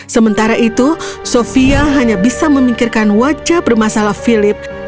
sementara itu sofia hanya bisa memikirkan wajah bermasalah philip